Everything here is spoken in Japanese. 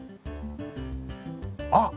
あっ！